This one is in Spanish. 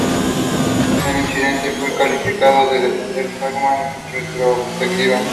El incidente fue calificado de "defensa Pac-Man" en retrospectiva.